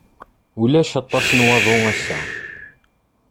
Ulac aṭas n waḍu ass-a.